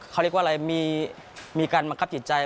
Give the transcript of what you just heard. เขาเรียกว่าอะไรมีการบังคับจิตใจ